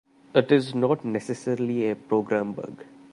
It is not necessarily a program bug.